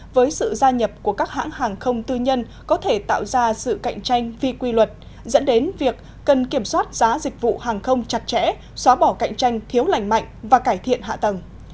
với sự gia nhập của các hãng hàng không tư nhân có thể tạo ra sự cạnh tranh phi quy luật dẫn đến việc cần kiểm soát giá dịch vụ hàng không chặt chẽ xóa bỏ cạnh tranh thiếu lành mạnh và cải thiện hạ tầng